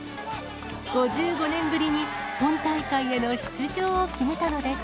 ５５年ぶりに本大会への出場を決めたのです。